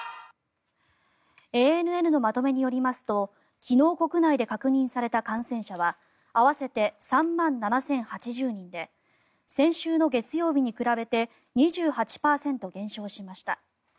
ＡＮＮのまとめによりますと昨日国内で確認された感染者は合わせて３万７０８０人で先週の月曜日に比べて２８％減少しました。